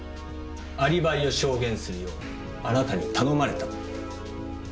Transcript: アリバイを証言するようあなたに頼まれたって。